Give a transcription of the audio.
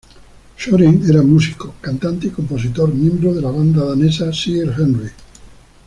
Søren era músico, cantante y compositor, miembro de la banda danesa Sir Henry.